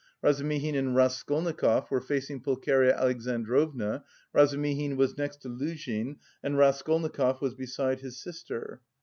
Razumihin and Raskolnikov were facing Pulcheria Alexandrovna, Razumihin was next to Luzhin and Raskolnikov was beside his sister.